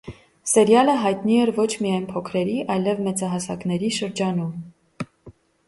Սերիալը հայտնի էր ոչ միայն փոքրերի, այլև մեծահասակների շրջանում։